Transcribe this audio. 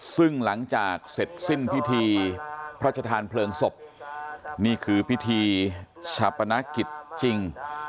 ซึ่งหลังจากเสร็จสิ้นพิธีพระชธานเพลิงศพนี่คือพิธีชาปนกิจจริง